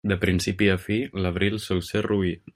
De principi a fi, l'abril sol ser roí.